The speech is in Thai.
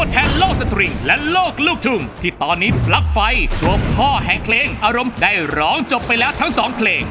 ตัวพ่อแห่งเครงอารมณ์ได้ร้องจบไปแล้วทั้งสองเครง